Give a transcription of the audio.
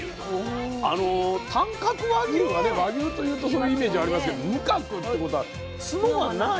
あの短角和牛はね和牛というとそのイメージありますけど無角っていうことは角が無い。